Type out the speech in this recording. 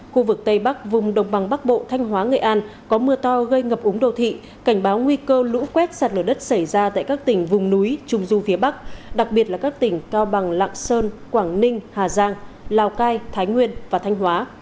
khu vực tây bắc vùng đông bằng bắc bộ thanh hóa nghệ an có mưa to gây ngập úng đồ thị cảnh báo nguy cơ lũ quét sạt lửa đất xảy ra tại các tỉnh vùng núi trung du phía bắc đặc biệt là các tỉnh cao bằng lạng sơn quảng ninh hà giang lào cai thái nguyên và thanh hóa